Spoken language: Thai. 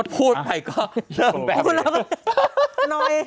พูดไปก็เริ่มแบบนี้